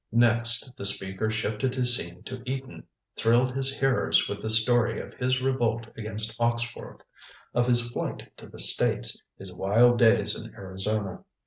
Next the speaker shifted his scene to Eton, thrilled his hearers with the story of his revolt against Oxford, of his flight to the States, his wild days in Arizona.